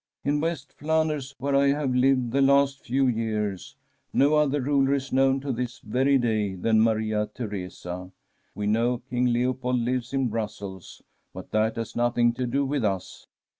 In West Flanders, where I have lived the last few years, no other ruler is known to this very day than Maria Theresa. We know King Leopold lives in Brussels, but that has nothing to do with us.